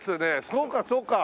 そうかそうか。